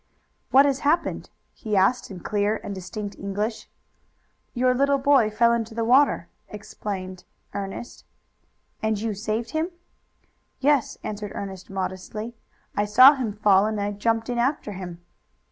"What has happened?" he asked in clear and distinct English. "Your little boy fell into the water," explained Ernest. "And you saved him?" "Yes," answered Ernest modestly. "I saw him fall and jumped in after him."